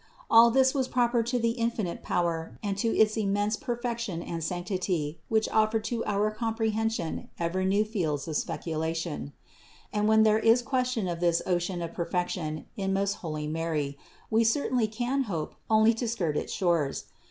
All this was proper to the infinite power and to THE INCARNATION 75 its immense perfection and sanctity, which offer to our comprehension ever new fields of speculation. And when there is question of this ocean of perfection in most holy Mary, we certainly can hope only to skirt its shores.